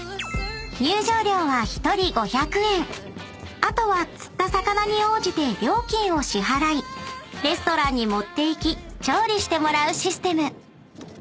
［あとは釣った魚に応じて料金を支払いレストランに持っていき調理してもらうシステム］